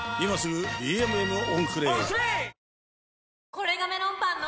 これがメロンパンの！